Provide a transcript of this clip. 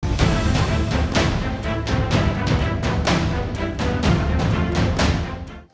แฟนที่สุดท้าย